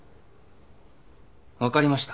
分かりました。